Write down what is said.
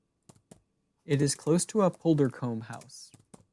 It is close to Appuldurcombe House.